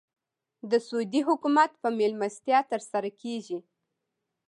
د سعودي حکومت په مېلمستیا تر سره کېږي.